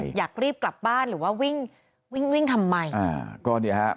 อยากรีบกลับบ้านหรือว่าวิ่งวิ่งวิ่งทำไมอ่าก็เนี่ยฮะ